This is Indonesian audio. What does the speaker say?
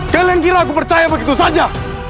kalian gila aku percaya begitu saja